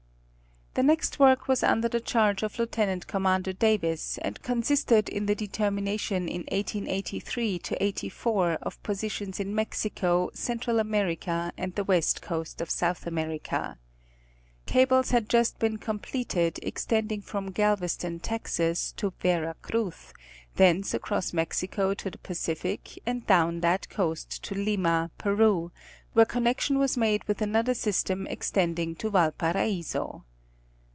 The next work was under the chargé of Lieut. Com. Davis, and consisted in the determination in 1883 84, of positions in Mexico, Central America and the west coast of South America. Cables had just been completed, extending from Galveston, Texas, to Vera Cruz, thence across Mexico to the Pacific and down that coast to Lima, Peru, where connection was made with another system extending to Valparaiso.